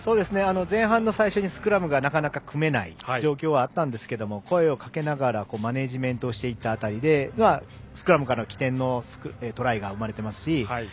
前半最初にスクラムがなかなか組めない状況はあったんですけども声をかけながらマネージメントしていた辺りでスクラムからの起点のトライが生まれていますし。